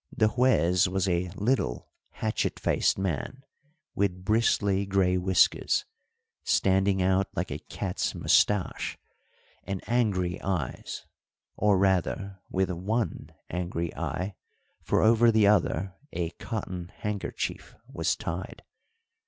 The Juez was a little hatchet faced man, with bristly grey whiskers, standing out like a cat's moustache, and angry eyes or, rather with one angry eye, for over the other a cotton handkerchief was tied.